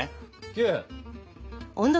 ９。